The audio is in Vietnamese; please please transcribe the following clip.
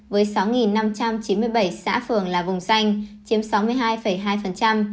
với sáu năm trăm chín mươi bảy xã phường là vùng xanh chiếm sáu mươi hai hai